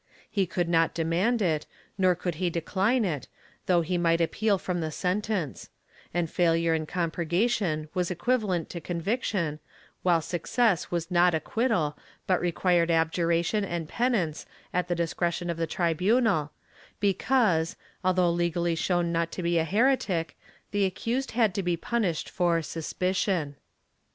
He could not demand it, nor could he decline it, though he might appeal from the sentence; and failure in compurgation was equivalent to conviction, while success was not acquittal but required abjuration and penance at the discretion of the tribunal, because, although legally shown not to be a heretic, the accused had to be punished for ''suspicion."